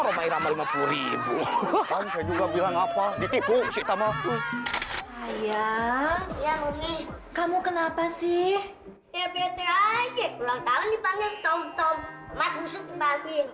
ramai ramai rp lima puluh juga bilang apa ditipu kita mau ya ya nomi kamu kenapa sih ya bete aja